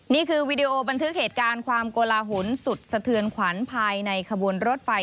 วีดีโอบันทึกเหตุการณ์ความโกลาหุนสุดสะเทือนขวัญภายในขบวนรถไฟ